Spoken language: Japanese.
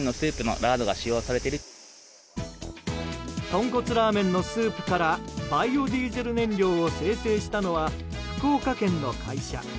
豚骨ラーメンのスープからバイオディーゼル燃料を精製したのは、福岡県の会社。